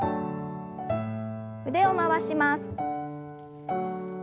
腕を回します。